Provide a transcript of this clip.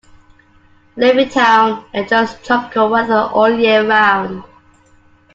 Levittown enjoys tropical weather all year round.